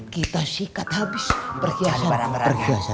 kita sikat habis perhiasan berharga